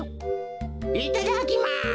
いただきます！